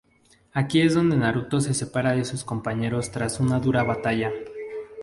Aquí es donde Naruto se separa de sus compañeros tras una dura batalla.